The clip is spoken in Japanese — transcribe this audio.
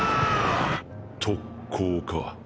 特攻か。